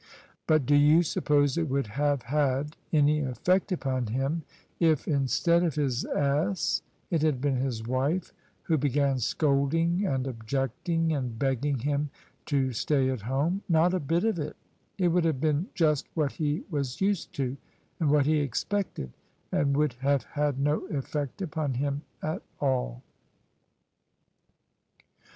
But do you suppose it would have had any effect upon him if instead of his ass it had been his wife who began scolding and objecting and begging him to stay at home? Not a bit of it It would have been just what he was used to and what he expected, and would have had no effect upon him at all."